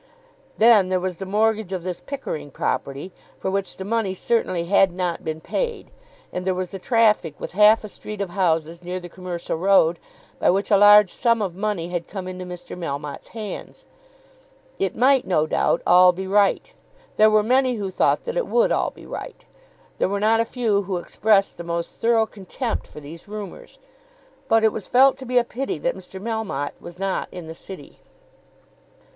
Then there was the mortgage of this Pickering property, for which the money certainly had not been paid; and there was the traffic with half a street of houses near the Commercial Road, by which a large sum of money had come into Mr. Melmotte's hands. It might, no doubt, all be right. There were many who thought that it would all be right. There were not a few who expressed the most thorough contempt for these rumours. But it was felt to be a pity that Mr. Melmotte was not in the City.